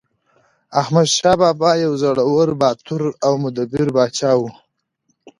احمدشاه بابا یو زړور، باتور او مدبر پاچا و.